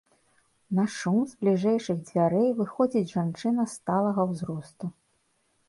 На шум з бліжэйшых дзвярэй выходзіць жанчына сталага ўзросту.